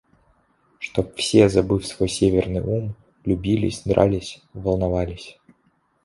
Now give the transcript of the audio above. Чтоб все, забыв свой северный ум, любились, дрались, волновались.